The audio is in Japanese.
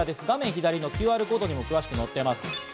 画面左のＱＲコードにも詳しく載ってます。